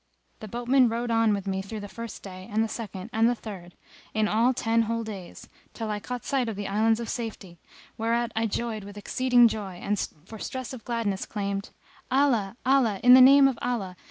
The boatman rowed on with me through the first day and the second and the third, in all ten whole days, till I caught sight of the Islands of Safety; whereat I joyed with exceeding joy and for stress of gladness exclaimed, "Allah! Allah! In the name of Allah!